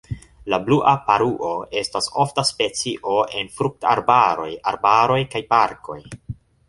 La blua paruo estas ofta specio en fruktarbaroj, arbaroj kaj parkoj.